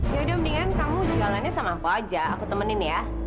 yaudah mendingan kamu jalannya sama aku aja aku temenin ya